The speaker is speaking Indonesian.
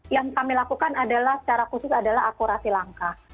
yang kami lakukan adalah secara khusus adalah akurasi langkah